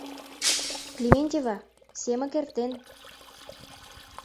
Клементьева, семык эртен.